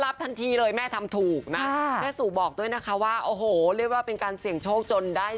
บริษัทถงทองที่ขายเราจะเรียกออนไลน์